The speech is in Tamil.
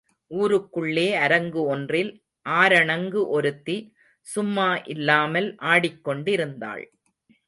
ஊருக்குள்ளே அரங்கு ஒன்றில் ஆரணங்கு ஒருத்தி சும்மா இல்லாமல் ஆடிக் கொண்டிருந்தாள்.